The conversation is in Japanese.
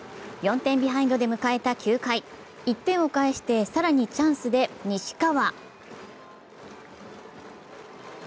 ４点ビハインドで迎えた９回、１点を返して、更にチャンスで西川。